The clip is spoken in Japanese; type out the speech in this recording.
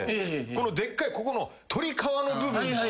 このでっかいここの鶏皮の部分。